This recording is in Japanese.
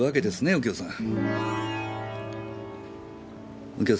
右京さん？